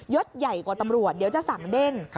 ใหญ่กว่าตำรวจเดี๋ยวจะสั่งเด้ง